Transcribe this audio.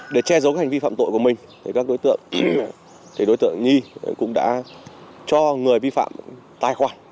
để che giấu hành vi phạm tội của mình các đối tượng nhi cũng đã cho người vi phạm tài khoản